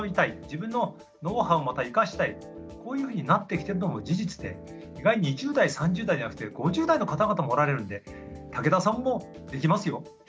自分のノウハウをまた生かしたいこういうふうになってきてるのも事実で意外に２０代３０代じゃなくて５０代の方々もおられるんで武田さんもできますよ。